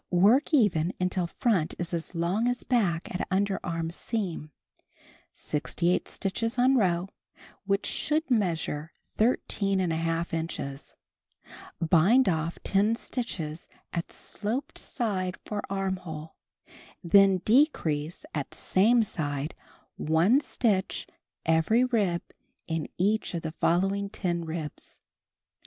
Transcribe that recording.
Work even until front is as long as back at underarm seam (68 stitches on row, wliich should measure 13| inches). Bind off 10 stitches at sloped side for armhole, then decrease at same side one stitch every rib in each of the following 10 ribs.